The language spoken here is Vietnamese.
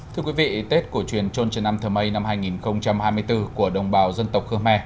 thưa quý vị tết cổ truyền trôn trần nam thờ mây năm hai nghìn hai mươi bốn của đồng bào dân tộc khơ me